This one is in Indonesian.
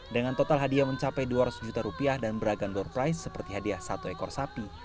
dengan total hadiah mencapai dua ratus juta rupiah dan beragam door price seperti hadiah satu ekor sapi